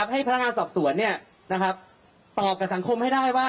ให้พนักงานสอบสวนตอบกับสังคมให้ได้ว่า